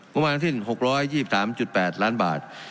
มุมมาที่๖๒๓๘ล้านบาท